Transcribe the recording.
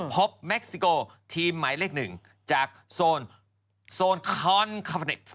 เม็กซิโกทีมหมายเลข๑จากโซนคอนคาเฟค